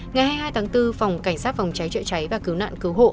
ngày hai mươi hai tháng bốn phòng cảnh sát phòng cháy trợ cháy và cứu nạn cứu hộ